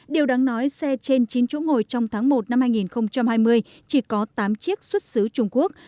điều đáng nói xe trên chín chỗ ngồi trong tháng một năm hai nghìn hai mươi chỉ có tám chiếc xuất xứ trung quốc